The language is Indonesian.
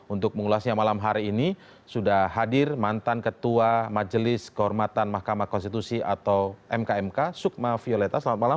untuk mengulasnya malam hari ini sudah hadir mantan ketua majelis kehormatan mahkamah konstitusi atau mkmk sukma violeta selamat malam